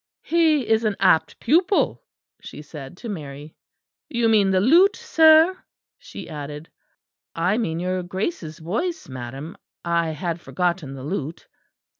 "He is an apt pupil," she said to Mary. " You mean the lute, sir?" she added. "I mean your Grace's voice, madam. I had forgotten the lute."